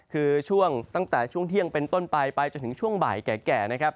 คือช่วงตั้งแต่ช่วงเที่ยงเป็นต้นไปไปจนถึงช่วงบ่ายแก่นะครับ